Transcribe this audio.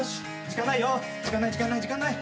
時間ない時間ない時間ない。